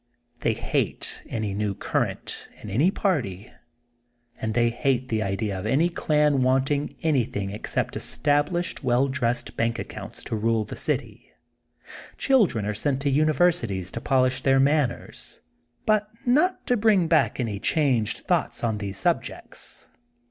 They hate any new current in any party. And they hate the idea of any dan wanting any 10 THE GOLDEN BOOK OF SPRINGFIELD 11 thing except established well dressed bank accounts to rule the city. Children are sent to universities to polish their manners, but not to bring back any changed thoughts on these subjects.